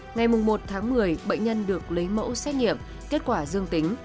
ngày một tháng một mươi bệnh nhân được lấy mẫu xét nghiệm kết quả dương tính